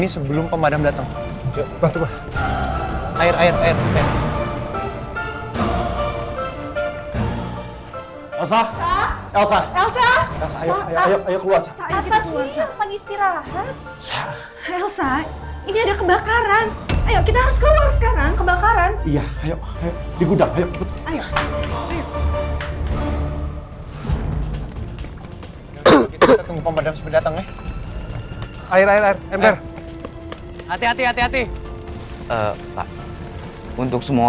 ya percaya aja ya